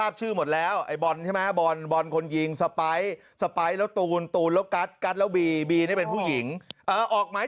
คือคุณทิวาโพพิฮะอายุ๓๑ปีคนนี้ละใหม่